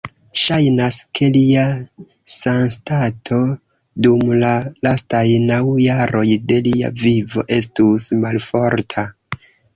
Ŝajnas, ke lia sanstato dum la lastaj naŭ jaroj de lia vivo estus malforta.